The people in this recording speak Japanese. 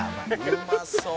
「うまそう！」